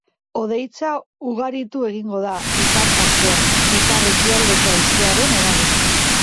Hodeitza ugaritu egingo da ipar partean, ipar-ekialdeko haizearen eraginez.